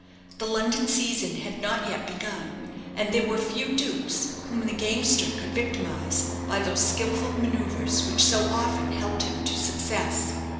The London season had not yet begun, and there were few dupes whom the gamester could victimize by those skilful manoeuvres which so often helped him to success.